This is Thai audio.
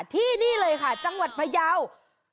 ที่นี่เลยค่ะจังหวัดพยาว